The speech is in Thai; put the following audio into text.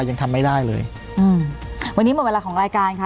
ยังทำไม่ได้เลยอืมวันนี้หมดเวลาของรายการค่ะ